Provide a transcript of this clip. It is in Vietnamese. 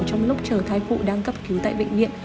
trong lúc chờ thai phụ đang cấp cứu tại bệnh viện